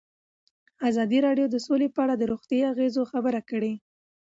ازادي راډیو د سوله په اړه د روغتیایي اغېزو خبره کړې.